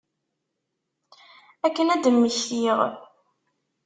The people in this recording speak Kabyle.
Akken ad d-mmektiɣ.